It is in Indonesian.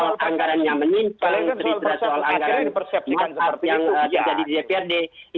cerita soal anggaran yang terjadi di dprd